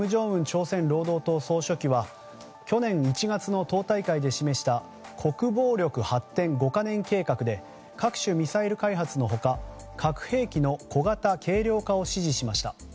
朝鮮労働党総書記は去年１月の党大会で示した国防力発展５か年計画で各種ミサイル開発の他核兵器の小型・軽量化を指示しました。